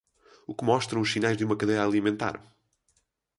O que mostram os sinais de uma cadeia alimentar?